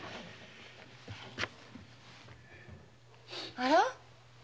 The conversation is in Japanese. あら？